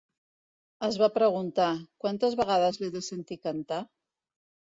Es va preguntar: "Quantes vegades l'he de sentir cantar?"